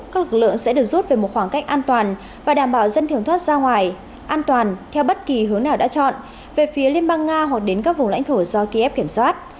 các lực lượng sẽ được rút về một khoảng cách an toàn và đảm bảo dân thường thoát ra ngoài an toàn theo bất kỳ hướng nào đã chọn về phía liên bang nga hoặc đến các vùng lãnh thổ do kiev kiểm soát